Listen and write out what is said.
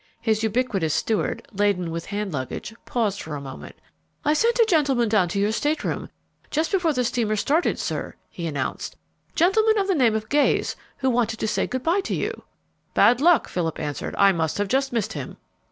His ubiquitous steward, laden with hand luggage, paused for a moment. "I sent a gentleman down to your stateroom just before the steamer started, sir," he announced, "gentleman of the name of Gayes, who wanted to say good by to you." "Bad luck!" Philip answered. "I must have just missed him."